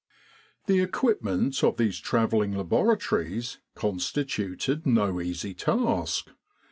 The equipment of these travelling laboratories constituted no easy task.